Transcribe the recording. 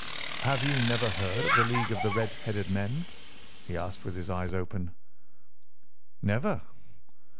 "'Have you never heard of the League of the Red headed Men?' he asked with his eyes open. "'Never.